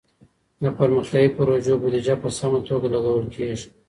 د پرمختيايي پروژو بوديجه په سمه توګه لګول کيږي.